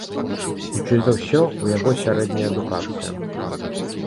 Хутчэй за ўсё, у яго сярэдняя адукацыя.